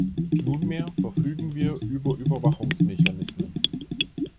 Nunmehr verfügen wir über Überwachungsmechanismen.